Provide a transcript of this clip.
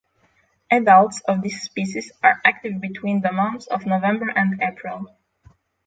Adults of this species are active between the months of November and April.